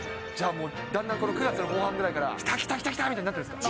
もう、だんだんこの９月の後半ぐらいから、きたきたきたみたいになってるんですか？